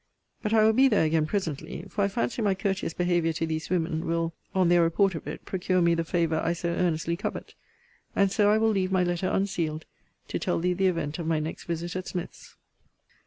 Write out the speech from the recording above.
But I will be there again presently; for I fancy my courteous behaviour to these women will, on their report of it, procure me the favour I so earnestly covet. And so I will leave my letter unsealed, to tell thee the event of my next visit at Smith's.